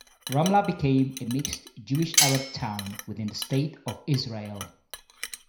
Ramla became a mixed Jewish-Arab town within the state of Israel.